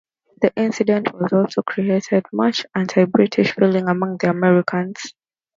The incident also created much anti-British feeling among the Americans.